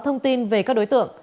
có thông tin về các đối tượng